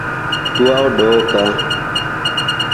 Tua doka.